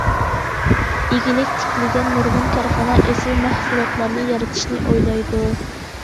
ئىگىلىك تىكلىگەن نۇرغۇن كارخانا ئېسىل مەھسۇلاتلارنى يارىتىشنى ئويلايدۇ.